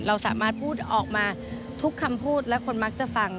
เราสามารถพูดออกมาทุกคำพูดและคนมักจะฟัง